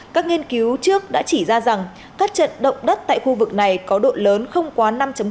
các nghiên cứu trước đã chỉ ra rằng các trận động đất tại khu vực này có độ lớn không quá năm